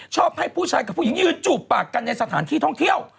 ให้ผู้ชายกับผู้หญิงยืนจูบปากกันในสถานที่ท่องเที่ยว